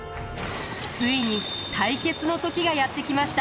ついに対決の時がやって来ました。